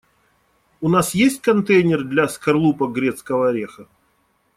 У нас есть контейнер для скорлупок грецкого ореха?